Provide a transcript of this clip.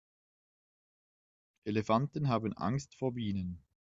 Elefanten haben Angst vor Bienen.